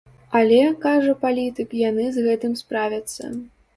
Але, кажа палітык, яны з гэтым справяцца.